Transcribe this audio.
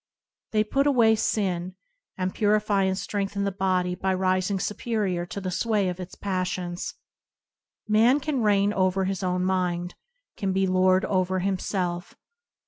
They put away sin, and purify and strengthen the body by rising superior to the sway of its passions. Man can reign over his own mind; can be lord over himself.